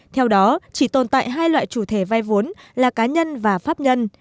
theo đó chỉ tồn tại hai loại chủ thể vay vốn là cá nhân và pháp nhân